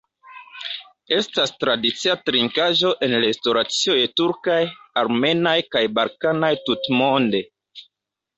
Estas tradicia trinkaĵo en restoracioj turkaj, armenaj kaj balkanaj tutmonde.